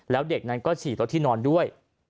แล้วเด็กนั้นก็ฉี่รถที่นอนด้วย